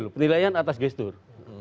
penilaian atas gestur